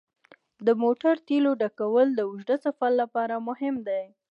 د موټر تیلو ډکول د اوږده سفر لپاره مهم دي.